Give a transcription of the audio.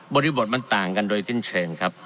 บทมันต่างกันโดยสิ้นเชิงครับ